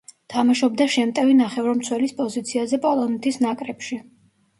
თამაშობდა შემტევი ნახევარმცველის პოზიციაზე პოლონეთის ნაკრებში.